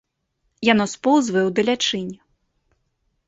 Яно споўзвае ў далячынь.